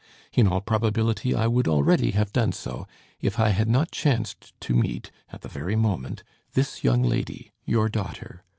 In all probability, I would already have done so, if I had not chanced to meet, at the very moment, this young lady, your daughter.